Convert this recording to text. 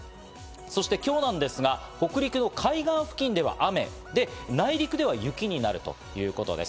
そして今日なんですが、北陸の海岸付近では雨、内陸では雪になるということです。